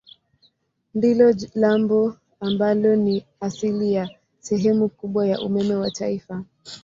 Ndilo lambo ambalo ni asili ya sehemu kubwa ya umeme wa taifa.